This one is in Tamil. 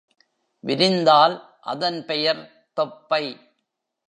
விரிந்தால், அதன்பெயர் தொப்பை.